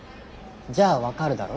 じゃあ分かるだろ？